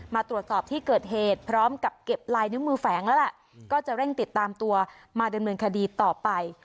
มาตรวจสอบที่เกิดเหตุพร้อมกับเก็บลายนิ้วมือแฝงแล้วล่ะก็จะเร่งติดตามตัวมาดำเนินคดีต่อไป